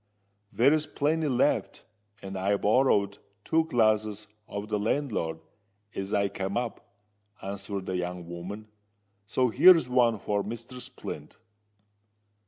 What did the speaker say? "There's plenty left—and I borrowed two glasses of the landlord as I came up," answered the young woman: "so here's one for Mr. Splint."